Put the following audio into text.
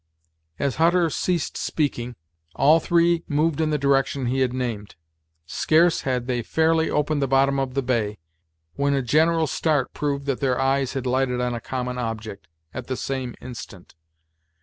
As Hutter ceased speaking, all three moved in the direction he had named. Scarce had they fairly opened the bottom of the bay, when a general start proved that their eyes had lighted on a common object at the same instant.